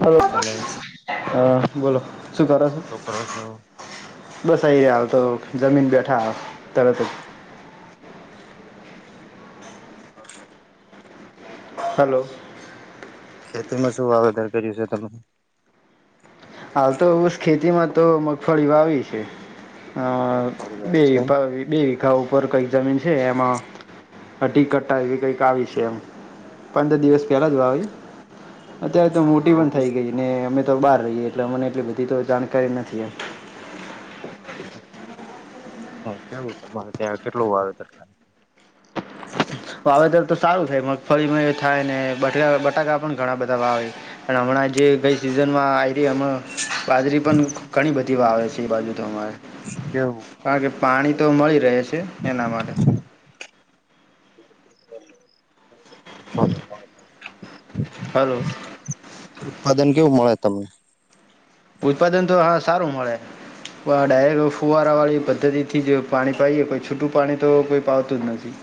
Hello હ બોલો? શું કરો છ શું કરો છો? બસ આઈ રહ્યા હ તો જમીન બેઠા તરત [inaudible] હલો ખેતીમાં શું વાવેતર કર્યું છે તમે! હાલ તો એ ખેતીમાં તો મગફળી વાવી છે. અ મગફળી વાવી છે એમ. બેયબે વિગા ઉપર કઈક જમીન છે એમાં હઢ કટ્ટા એવી કઈક આવી છે એમ પંદર દિવસ પહેલા જોવા આવી અત્યારે તો મોટી એવું પણ બી થઈ ગઈ ને અમે તો બહાર રહીએ. એટલે મને એટલી બધી તો જાણકારી નથી આ હ હ કેવું તમારે ત્યાં કેટલુ વાવે તર થાય વાવેતર તો સારું થાય મગફળીમાં થાય ને બટાકા પણ ઘણા બધા વાવે છે અને હમણાં આ જે ગઈ સિઝનમાં આવી રહી અમ બાજરી પણ ઘણી બધી વાવે છે એ બાજુ તો અમારે કેવું કારણ કે પાણી તો મળી રહે છે એના માટે [unintelligible] હલો ઉત્પાદન કેવું મળે તમને? ઉત્પાદન તો હા સારું મળે ડાયરેક્ટ ફુવારા વાળી પદ્ધતિ થી જ પાણી પાએ કોઈ છૂટું પાણી તો કોઈ પાવતું જ નથી.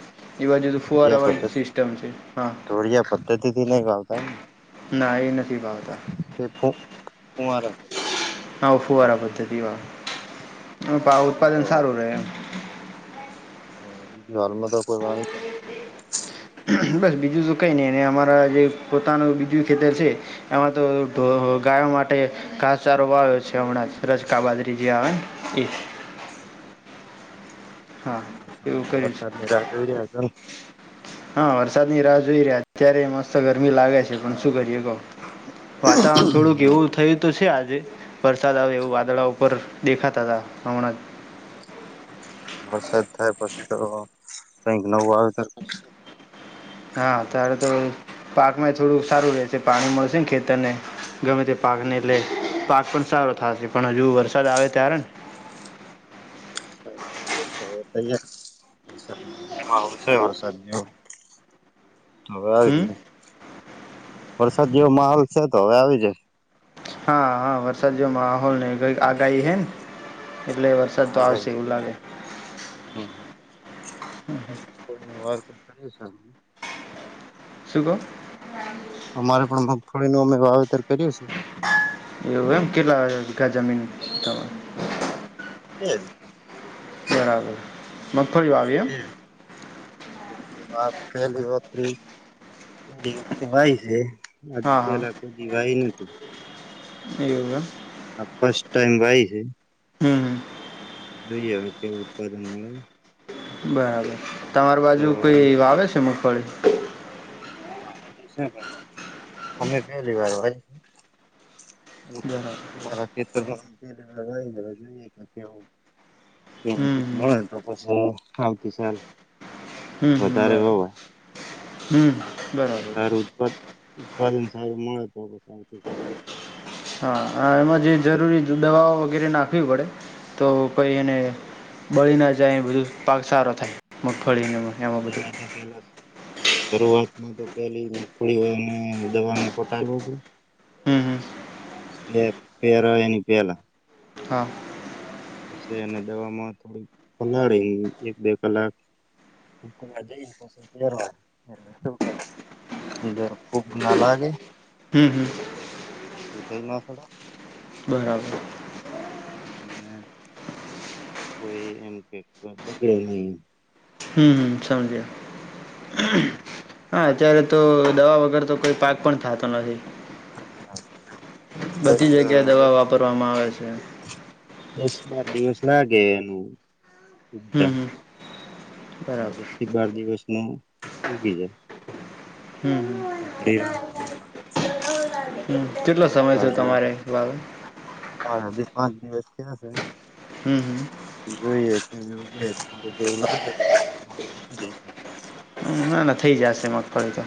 એ બાજુ તો ફોર ધોળિયા અવર પદ્ધતિ સિસ્ટમ છે હા ધોળિયા પદ્ધતિથી ના એ નથી. વાવતા એ ફું ફુંવાર છે. હા ફુવારા પદ્ધતિ વા ઉત્પાદન બરાબર સારું રહે એમ. [unintelligible] બસ બીજું તો કઈ નહી અમારા જે પોતાનું બીજું ખેતર છે એમાં તો આવ માટે ઘાસ સારો આવ્યો છે હમણાં રજકા બાદરીજી આવેન એ [inaudible] હા એવું કર્યું છે [unintelligible] હા વરસાદ ની રાહ જોઈ રહ્યા. અત્યારે મસ્ત ગરમી લાગે છે પણ શું કરીએ કો વાતાવરણ થોડુંક ને? એવું થયું તો છે આજે. વરસાદ આવે એવું વાદળા ઉપર દેખાતા હતા હમણાં. વરસાદ થાય પછી તો કઈ. [unintelligible] પાક માં થોડું સારું રહેેશે. પાણી મળશે ને ખેતર ને ગમે તે પાક ને કરશું. એટલે પાક પણ સારો થશે પણ હજુ વરસાદ આવે ત્યારેને. [unintelligible] [inaudible] હવે આવી જાય હમ વરસાદ જેવો માહોલ છે. તો હવે આવી જાય. હા, હા વરસાદ જેવો માહોલ ને કોઈ આગાહી હેન. આગાહી સે [inaudible] વાવતર [inaudible] શું કો અમારે પણ મગફળીનું અમે વાવતર એવું એમ કેટલા વીઘા જમીન તમાર એ બરાબર મગફળી વાવી એમ આ ફેર પલી મગફળી પેલી વખતે વાઈ છે હજુ હા હા પેલા કોઈ દી વાય નતી એવું એમ. હ ફસ્ટ ટાઈમ વાઈ શે હમ. જોઈ હવે કેવુ ઉત્પાદન મળે બરાબર તમાર તો બાજુ કોઈ વાવે છે. મગફળી [unintelligible] બરાબર મારા ખેતરમા જોઈએ કે કેવુ. હમ બેનિફિટ મળે હમ તો પછી. આવતી સાલ. હમ વધારે બરાબર, વવાય હમ બરાબર. સને સારું મળે તો સૌથી સારું હા. એમાં જે જરૂરી દવાઓ વગેરે નાખવી પડે તો કંઈએને બળી ના જાય એ બધું પાક સારો થાય. મગફળીને એમાં બધું દવા તો પેલા શરૂઆતમાં તો પેલી મગફળી હોય અને દવા ન પટાળ નો પડે હમ. એ પેરો એની પેલા. હા. પસી એને દવામાં થોડીક પલાળી. એક બે કલાક [inaudible] ફૂગ ના લાગે? હમ હમ ઉધય ના ચઢ. બરાબર. [unintelligible] હમ હમ સમજ્યા. હા અત્યારે તો દવા વગર તો કોઈ પાક પણ થાતો નથી. દસ બધી જગ્યાએ દસ દવા વાપરવામાં આવે છે. દસ બાર દિવસ લાગે એનું. હમ ઉગતા હમ બરાબર દસ થી બાર દિવસ મા ઉગી જાય. હમ હમ [inaudible] હમ કેટલો દસ સમય બાર છે દિવસ. તમારે વાવે દિવસ થ્યા હમ હમ છે જોઈએ કેવું થોડું એવું લાગે તો હા [unintelligible] હમ ના ના થઈ જશે મગફળી તો.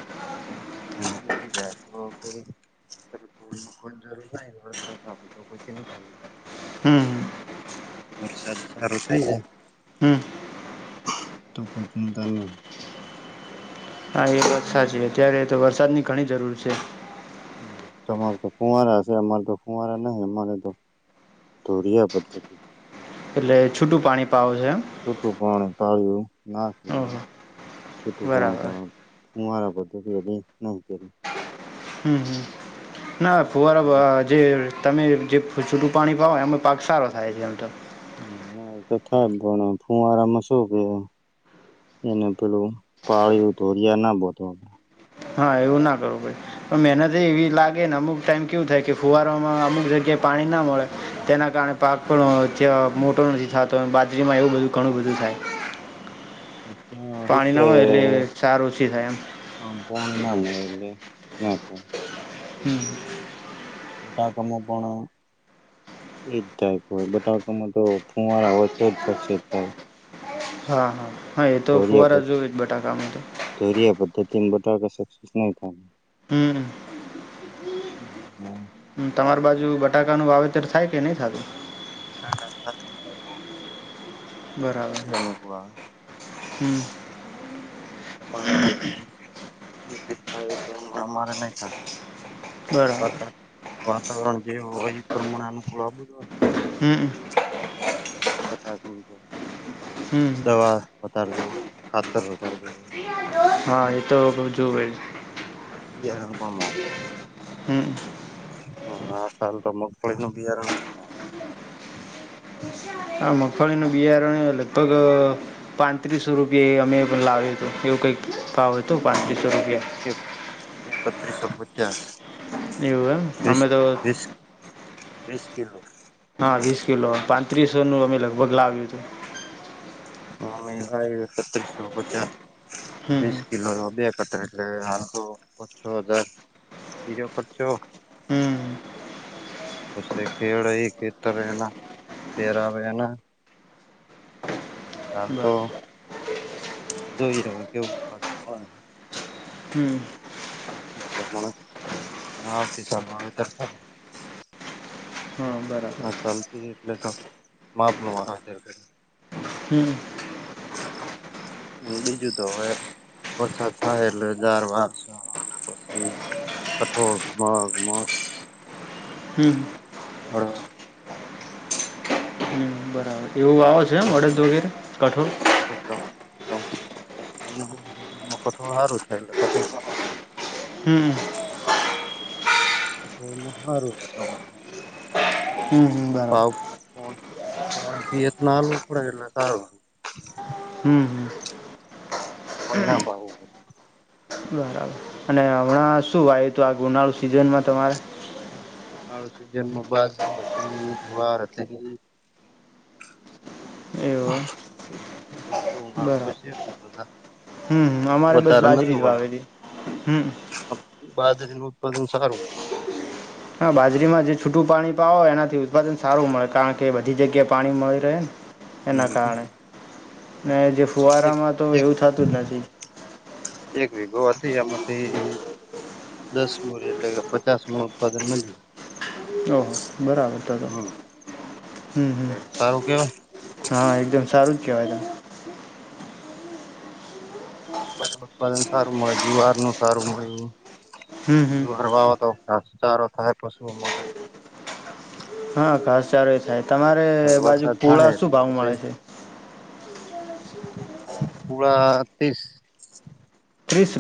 હ બી જાય તો કોઈ ત થોડી કોઈ જરૂર ના વરસાદ તો કોઈ કેમ હમ વરસાદ સારો થાય છે. હમ તો કોઈ ચિતા નરે. હા એ વાત સાચી અત્યારે તો વરસાદની ઘણી જરૂર છે. તમાર તો ફુંવારા છે અમારે તો ફુંવારા નહી અમારે તો ધોરિયા પદ્ધતિ. એટલે છૂટું પાણી પાવો છે એમ શુટું પાણી તજુ. ના સમે, ઓહો છૂટું પણી બરાબર પા કૂઆરે. બધ એ ન તેરી હમ, હમ ના ફુવારા જે તમે જે છૂટું પાણી ફાવ એનો પાક, સારો થાય છે. એમ તો ના એતો થાય પણ ફુંવારામાં શું કેું. એને પેલું પાળું ધોરિયા ના બધ હા એવું ના કરવું પણ મહેનત એવી લાગે ને અમુક ટાઈમ કેવું થાય કે ફુવારોમાં અમુક જગ્યા પાણી ના મળે તેના કારણે પાક પણ મોટો નથી થતો બાજરીમાં એવું બધું ઘણું બધું બ થાય [unintelligible] હ [inaudible] ત્યા પાણી હુકે ના મળે એટલે સાર ઓછી થાય એમ પોણી ના મળે એટલે. ના તો. હમ બધા કામ પાણ એજ ટાઈપ હોય બટાકામાં તો ફુવારા હોય તો જ શકશે થાય. હા હા હા એ તો ફુવારા ધોરિયા જોય જ બટાકા મા તો. કેમ બટકા સક્સેસ નય થાય‌. હમ. હ. તમારી બાજુ બટાકાનું વાવેતર થાય? કે નહી થતું. બરાબર અનુકૂળ આવે. હમ આ થાય એ અમારે નહી થાય. બરાબર. વાતા વાતાવરણ જે હોય એ પ્રમાણે અનકૂળવા બધ. હમ વધાર તો હમ. દવા વધારે જોયે ખાતર વધારે જોયે. હમ [inaudible] હા એ તો બજુ હોય. બિયારણ પણ મોધુ આવે. હમ હ સાલુ આ તો મગફળીનું બિયારણ મોંઘુ આ મગફળીનું બિયારણ લગભગ પાંત્રીસો રૂપિયા અમે પણ લાવ્યું હતું એવું કંઈક ભાવ હતો હા એક પાંત્રીસો એક રૂપિયા. એક એકત્રીસો પચાસ. એવું એમ વીસ અમે તો વીસ વીસ કિલો હા, વીસ કિલો પાંત્રીસો નું અમે લગભગ લાવ્યું હતુ હમ, ભાઈ એકત્રીસો પચાસ હમ વિસ કિલો ન બે કટરે એટલે હાલ, તો છો હજાર બીજો ખર્ચો હમ [unintelligible] ઉસે ખેડહી ખેત, રહેના પેરા બેના હાલ, તો બરાબર જોઈ રહ્યો [unintelligible] કેવુંદન હમ પ્રમાણે ન આવતી સાર આવેવેતર થાય. હા બરાબર હા, ચાલતી એટલે તો માપ [unintelligible] ન હમ હ, બીજુ તો હવે વરસાદ, થાય એટલે હજાર [unintelligible] વા અને પછી કઠોળ મઘ મઠ હમ્મ બરડ હમ બરાબર એવું આવો છે એમ! અડદ વગેરે કઠોળ. કઠોળ હારુ થાય એટલે કઠોળ ખાવાનું. હમ તો ‌એમા હારું છે તમાર.. હમ હમ બરાબર. પોણે એતનાલું પડલા તાર [unintelligible] હમ હમ મન ના ભાવ. બરાબર અને હમણાં શું વાયુ હતું આ ઉ [unintelligible] નાળુ સિઝનમાં તમારે ઉનાળું સિઝન માં બાજરી હતી, જુવાર હતી એવું એમ તો હ ઉનાણુ, બરાબર પશે એટ બધા હમ, અમારે બસ વધારે નતું બાજરી જ વાયુ વાવેલી હમ બાજરી નુ ઉત્પાદન સારુ મળે હા, બાજરીમાં જે છૂટું પાણી પાવો એનાથી ઉત્પાદન સારું મળે કારણ કે બધી જગ્યાએ પાણી મળી રહે ને એના કારણે ને જે એક ફુવારામાં તો એક એવું થતુ, જ નથી. એક વિગો હતી, એમાંથી દસ, બોરી એટલે કે પચાસનુ ઉત્પાદન મળીય ઓહ બરાબર, તો તો હમ, હમ એટલે સારું હા એકદમ સારું જ કેવાયદમ ઉત્પાદન, સારુ મળે જુહરનું સારું મળે હમ હમ જુહર વાવ તો [unintelligible] હાર, થાય પશુ મનરે હા, ઘાસ ચારો એ થાય તમારે હવે બાજુ પૂળા શું ભાવ મળે છે. કુડા ત્રીસ ત્રીસ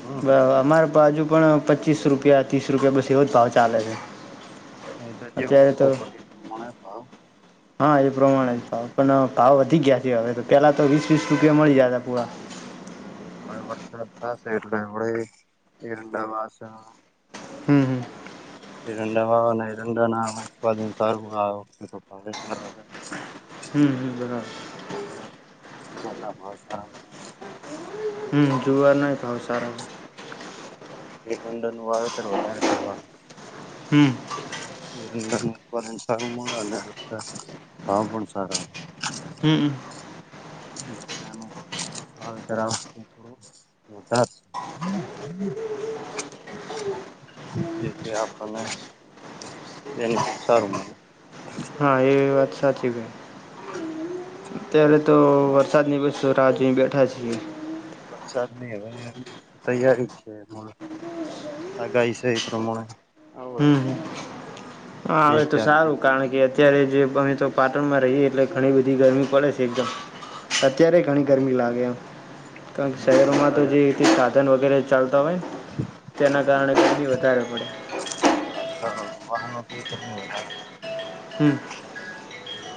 હમ એમ અમાર બાજુ, પણ પચીસ રૂપિયા ત્રીસ રૂપિયા બસ એવો જ ભાવ ચાલે છે. હ, તો જેવ અત્યારે તો [unintelligible] ક પ એ પ્રમાણે ભાવ હા, એ પ્રમાણે મળે. પણ ભાવ વધી ગયા છે. હવે તો પેલા તો વીસ વીસ રૂપિયા મળી જતા પુરા હ, વડશત થશે એટલે એ એવડા [unintelligible] માસ હમ, હમ [unintelligible] એઇરંડા વા હઈરંડા નાત્દન સારુ હમ, હ બરાર બર ના ભાવ સારા હમ, જોવાના એ ભાવ સારા [unintelligible] ડન નું વાવેતર [unintelligible] વધારે કરવાનુ હમ્મ [unintelligible] સારુ, મળ અને હા પણ સારા હમ્મ મહલાનું વાવેતર વતે થોડું વધાર છે જે કે આપણને બેનિફિટ સારું મળે હા એ વાત સાચી ગઈ અત્યારે તો વરસાદની બસ છ જોઈ બેઠે છીએ વરસાદની હવે તૈયારી છે આગઈ છે એ પ્રમાણ હમ બે હા એ તો ચાર દી સારું કારણ કે અત્યારે જે અમે તો પાટણમાં રહીએ એટલે ઘણી બધી ગરમી પડે છે એકદમ અત્યારે ઘણી હા ગરમી લાગે આ કારણ કે પબ્લિકને શહેરોમાં તો જે અત્યારે સાધન વગેરે ચાલતા હોય તેના કારણે ગરી વધારે પડે હા વાહનો કે તોમ હો હમ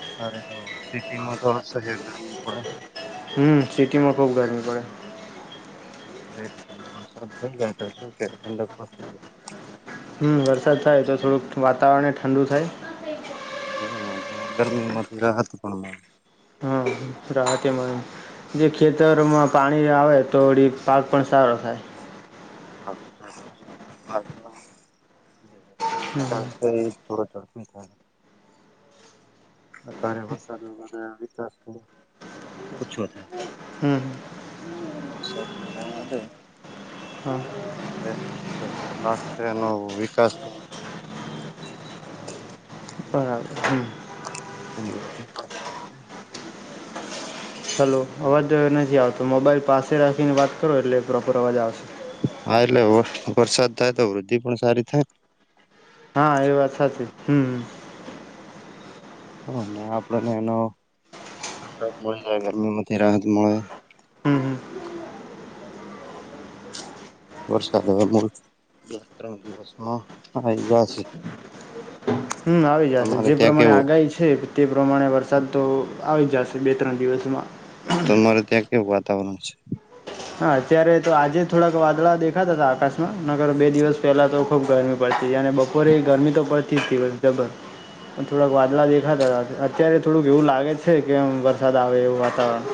અતારે, તો સિટીમા તો સહ ગરમી પડે હમ, સિટીમાં ખૂબ ગરમી પડે ટલે હા વરસાદ થઈ ગયો, તો શું કે ઠંડક પા હમ, વરસાદ થાય તો થોડુંક વાતાવરણને ઠડુ થાય. હમ, અને ગરમીમાંથી રાહત પણ મળ રાતેમા જે ખેતરમાં પાણી આવે તોડી પાક પણ સારો થાય. હા, હમ થોડ [unintelligible] અત્યારે વરસાદ ન વિકાસ તો ઓછો થાય હમ પ શ પોણ એડે હા જે પાક છે એનો વિકાસ બરાબર હમ એનીે ચલો અવાજ નથી આવતો મોબાઈલ પાસે રાખીને વાત કરો એટલે પ્રોપર અવાજ આવશે હા એટલે વરસાદ થાય તો વૃદ્ધિ પણ સારી થાય હા એ વાત સાચી હમ હ અને આપડને એનો ઠંડ મળી જાય ગરમીમાંથી રાહત મળે હમ વરસાદ હવા મૂલ બે ત્રણ દિવસમાં આવી ગ છે હમ આવી જશે જે પ્રમાણે આગાહી છે તે પ્રમાણે વરસાદ તો આવી જશે બે ત્રણ દિવસમાં તમારે ત્યાં કેવું વાતાવરણ છે હા અત્યારે તો આજે થોડાક વાદળા દેખાતા હતા આકાશમાં નગર બે દિવસ પહેલા તો ખુબ ગરમી પડતી અને બપોરે ગરમી તો પડતી જ હોયબર પણ થોડાક વાદલા દેખાતા અત્યારે થોડુંક એવું લાગે છે કેમ વરસાદ આવે એવું વાતાવરણ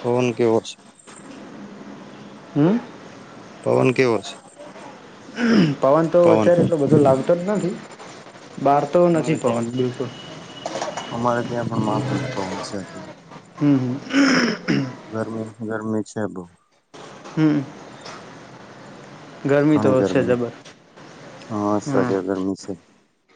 પવન કેવો શું હમ પવન કેવ છે પવન તો અત્યારે એટલો બધો લાગતો જ નથી બહાર તો અમારે નથી ત્યાં પવન બિલકુલ અમારે ત્યાં પણ માપમ પવન છે હમ હમ ગરમી ગરમી છે બહ હમ ગરમી તો ઘણી છે ગરમી જબર હમ અસહ્ય ગરમી છે